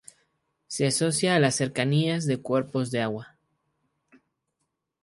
Se asocia a las cercanías de cuerpos de agua.